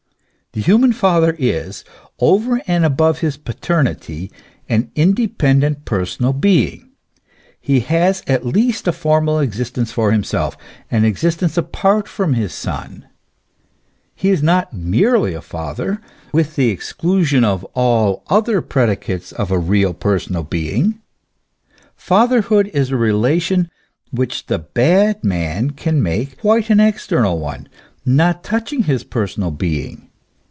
The human father is, over and above his paternity, an independent per sonal being ; he has at least a formal existence for himself, an existence apart from his son ; he is not merely a father, with the exclusion of all the other predicates of a real personal being. Fatherhood is a relation which the bad man can make quite an external one, not touching his personal being.